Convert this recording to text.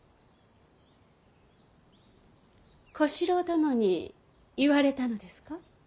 小四郎殿に言われたのですか。